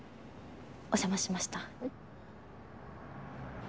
お邪魔しました。